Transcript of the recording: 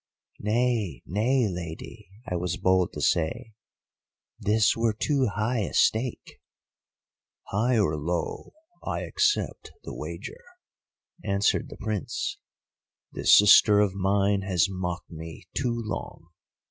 "'Nay, nay, Lady,' I was bold to say, 'this were too high a stake.' "'High or low, I accept the wager,' answered the Prince. 'This sister of mine has mocked me too long.